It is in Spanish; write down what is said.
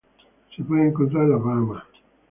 Se pueden encontrar en las Bahamas.